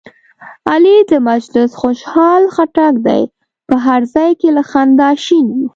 علي د مجلس خوشحال خټک دی، په هر ځای کې له خندا شین وي.